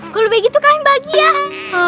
kalo begitu kami bahagia